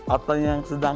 atau yang sedang